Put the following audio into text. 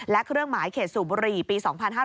และเครื่องหมายเขตสูบบุหรี่ปี๒๕๕๙